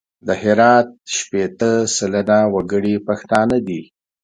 د هرات شپېته سلنه وګړي پښتانه دي.